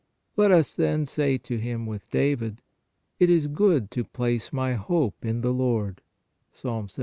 Let us, then, say to Him with David :" It is good to place my hope in the Lord " (Ps.